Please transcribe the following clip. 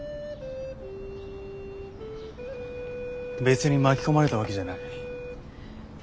別に巻き込まれたわけじゃない。